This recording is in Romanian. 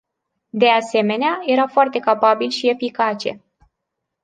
De asemenea, era foarte capabil și eficace.